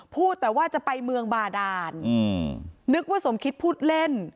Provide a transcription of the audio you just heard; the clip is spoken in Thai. พูดแต่ว่าจะไปเมืองบาดานนึกว่าสมคิดพูดเล่น